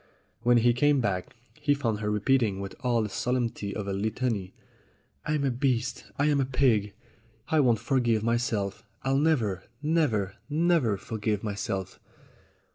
When he came back he found her repeating with all the solemnity of a Litany: "I'm a beast. I am a pig. I won't forgive myself. I'll never, never, never forgive myself."